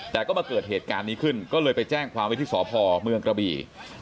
แต่ก็มาเกิดเหตุการณ์นี้ขึ้นก็เลยไปแจ้งความไว้ที่สพเมืองกระบี่